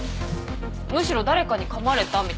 むしろ誰かにかまれたみたいな。